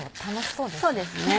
そうですね。